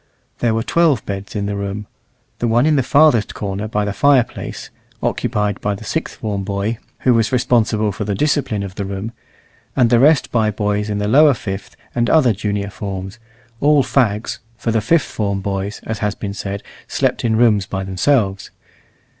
There were twelve beds in the room. The one in the farthest corner by the fireplace, occupied by the sixth form boy, who was responsible for the discipline of the room, and the rest by boys in the lower fifth and other junior forms, all fags (for the fifth form boys, as has been said, slept in rooms by themselves).